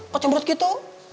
kok cemburu gitu